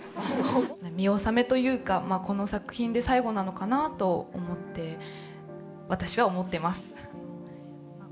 見納めというか、この作品で最後なのかなと思って、私は思ってます。